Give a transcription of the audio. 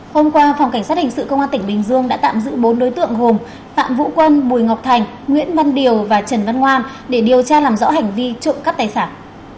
hôm qua phòng cảnh sát hình sự công an tỉnh bình dương đã tạm giữ bốn đối tượng gồm phạm vũ quân bùi ngọc thành nguyễn văn điều và trần văn ngoan để điều tra làm rõ hành vi trộm cắp tài sản